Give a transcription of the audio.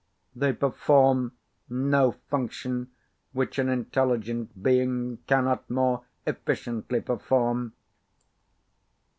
They perform no function which an intelligent being cannot more efficiently perform.